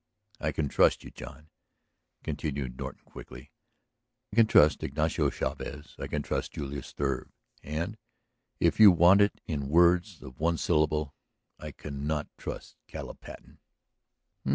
"I can trust you, John," continued Norton quickly. "I can trust Ignacio Chavez; I can trust Julius Struve. And, if you want it in words of one syllable, I cannot trust Caleb Patten!"